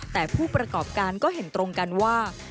แต่ผู้ประกอบการก็เห็นตรงกันว่า